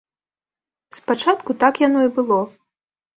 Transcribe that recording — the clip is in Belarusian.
Спачатку так яно і было.